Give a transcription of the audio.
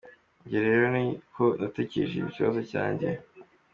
Njye rero niko natekereje ikibazo cyanjye.